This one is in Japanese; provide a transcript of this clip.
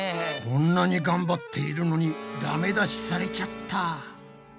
こんなに頑張っているのにダメ出しされちゃった！